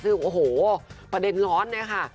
ซึ่งโอ้โหประเด็นร้อนเนี่ยค่ะ